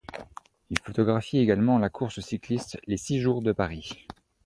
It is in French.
Il photographie également la course cycliste les Six jours de Paris.